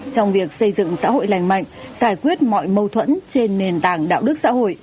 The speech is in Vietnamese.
trong việc xây dựng xã hội lành mạnh giải quyết mọi mâu thuẫn trên nền tảng đạo đức xã hội